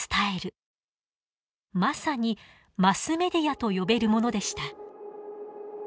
まさにマスメディアと呼べるものでした。